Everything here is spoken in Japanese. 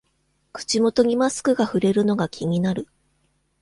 口元にマスクがふれるのが気になる